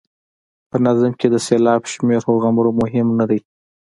په نظم کې د سېلاب شمېر هغومره مهم نه دی.